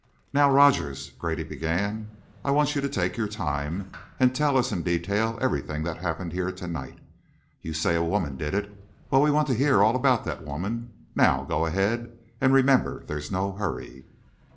"Now, Rogers," Grady began, "I want you to take your time and tell us in detail everything that happened here to night. You say a woman did it. Well, we want to hear all about that woman. Now go ahead; and remember there's no hurry."